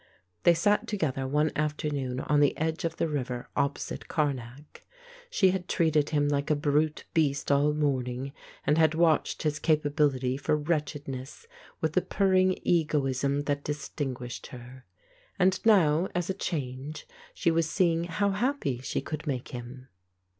They sat together one afternoon on the edge of the river opposite Karnak. She had treated him like a brute beast all morning, and had watched his capa bility for wretchedness with the purring egoism that distinguished her; and now, as a change, she was seeing how happy she could make him.